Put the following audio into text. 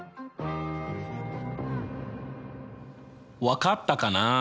分かったかな？